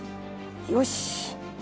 よし。